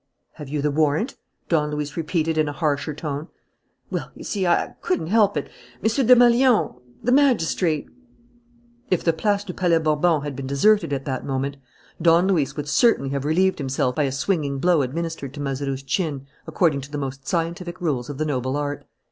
"Have you the warrant?" Don Luis repeated, in a harsher tone. "Well, you see, I couldn't help it.... M. Desmalions, the magistrate " If the Place du Palais Bourbon had been deserted at that moment, Don Luis would certainly have relieved himself by a swinging blow administered to Mazeroux's chin according to the most scientific rules of the noble art.